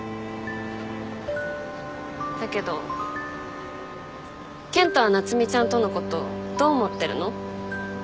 だけど健人は夏海ちゃんとのことどう思ってるの？